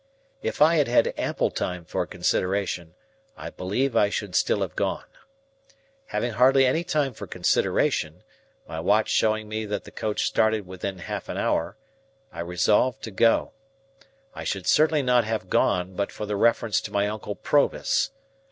If I had had ample time for consideration, I believe I should still have gone. Having hardly any time for consideration,—my watch showing me that the coach started within half an hour,—I resolved to go. I should certainly not have gone, but for the reference to my Uncle Provis.